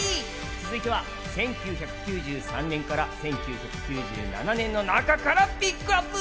続いては１９９３年から１９９７年の中からピックアップ。